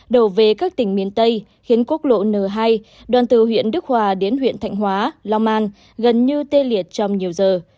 đổ về các tỉnh miền tây khiến quốc lộ n hai đoàn từ huyện đức hòa đến huyện thạnh hóa long an gần như tê liệt trong nhiều giờ